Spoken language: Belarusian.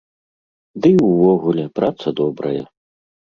Ды і ўвогуле, праца добрая.